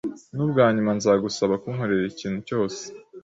Nubwa nyuma nzagusaba kunkorera ikintu cyose.